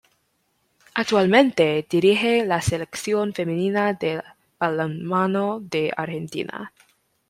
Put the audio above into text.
Actualmente, dirige la Selección femenina de balonmano de Argentina